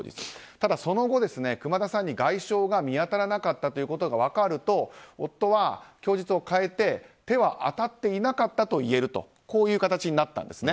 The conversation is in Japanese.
ただその後、熊田さんに外傷が見当らなかったということが分かると、夫は供述を変えて手は当たっていなかったと言えるという形になったんですね。